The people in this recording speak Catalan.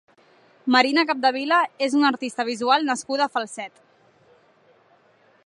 Marina Capdevila és una artista visual nascuda a Falset.